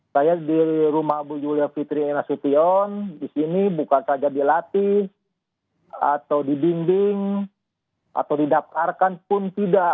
saya di rumah bu julia fitri enasution di sini buka kerja dilatih atau dibinding atau didaparkan pun tidak